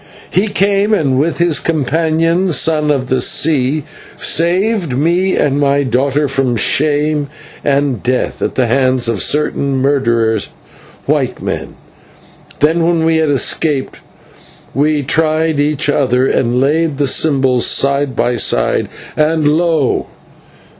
He came, and with his companion, Son of the Sea, saved me and my daughter from shame and death at the hands of certain murderers, white men. Then, when we had escaped, we tried each other, and laid the symbols side by side, and, lo!